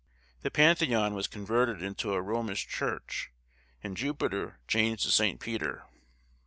The Pantheon was converted into a Romish church, and Jupiter changed to St. Peter.